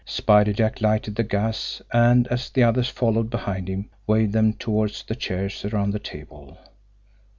Spider Jack lighted the gas, and, as the others followed behind him, waved them toward the chairs around the table.